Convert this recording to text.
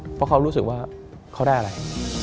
เพราะเขารู้สึกว่าเขาได้อะไร